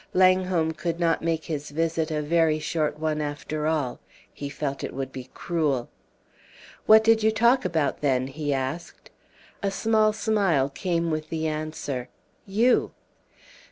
Langholm could not make his visit a very short one, after all. He felt it would be cruel. "What did you talk about, then?" he asked. A small smile came with the answer, "You!"